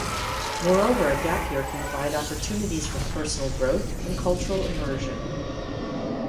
Moreover, a gap year can provide opportunities for personal growth and cultural immersion.